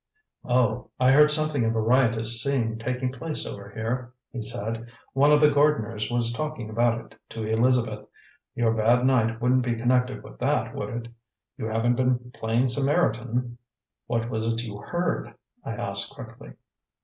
"Oh, I heard something of a riotous scene taking place over here," he said. "One of the gardeners was talking about it to Elizabeth. Your bad night wouldn't be connected with that, would it? You haven't been playing Samaritan?" "What was it you heard?" I asked quickly.